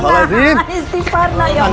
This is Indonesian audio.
biar dia membantu kita sayang